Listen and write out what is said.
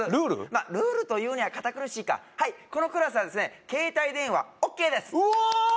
まあルールというには堅苦しいかはいこのクラスはですね携帯電話ＯＫですうお！